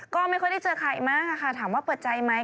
ก็ไม่ค่อยได้เจอใครมากค่ะถามว่าเปิดใจไหม